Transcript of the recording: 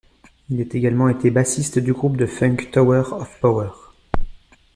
Il a également été bassiste du groupe de funk Tower of Power.